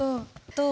どう？